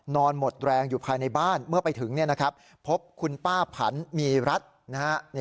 นอนหมดแรงอยู่ภายในบ้านเมื่อไปถึงพบคุณป้าผันมีรัฐนะฮะ